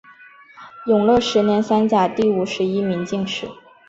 永乐十年三甲第五十一名进士。